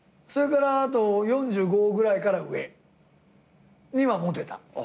それからあと４５ぐらいから上にはモテた。